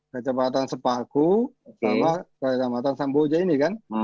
kecepatan sepaku sama kecepatan samboja ini kan